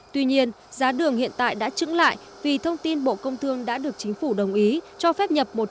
tuy nhiên giá đường hiện tại đã trứng lại vì thông tin bộ công thương đã được chính phủ đồng ý cho phép nhập một trăm linh tấn đường